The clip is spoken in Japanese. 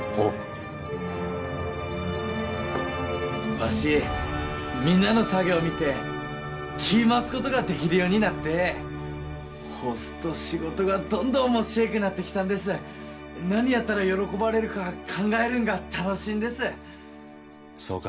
わしみんなの作業見て気い回すことができるようになってえほうすっと仕事がどんどんおもっしぇえくなってきたんです何やったら喜ばれるか考えるんが楽しいんですそうか